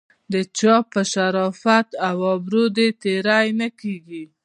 د چا په شرافت او ابرو دې تېری نه کیږي.